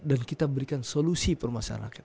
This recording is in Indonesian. dan kita berikan solusi permasyarakat